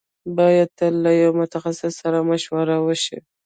بايد تل له يوه متخصص سره مشوره وشي.